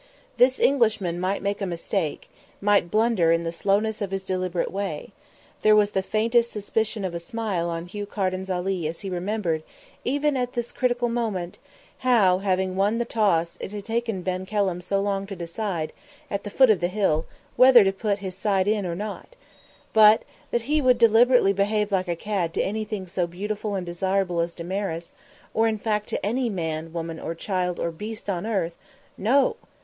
This Englishman might make a mistake, might blunder in the slowness of his deliberate way there was the faintest suspicion of a smile on Hugh Carden Ali's face as he remembered, even at this critical moment, how, having won the toss, it had taken Ben Kelham so long to decide, at the foot of the Hill, whether to put his side in or not but that he would deliberately behave like a cad to anything so beautiful and desirable as Damaris, or in fact to any man, woman, child or beast on earth, no!